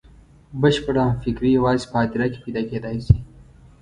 بشپړه همفکري یوازې په هدیره کې پیدا کېدای شي.